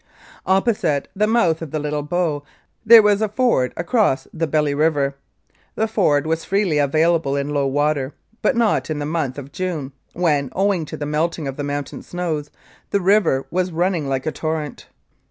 Opposite the mouth of the Little Bow there was a ford across the Belly River. The ford was freely avail able in low water, but not in the month of June when, owing to the melting of the mountain snows, the river was running like a torrent.